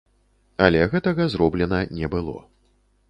Але гэтага зроблена не было.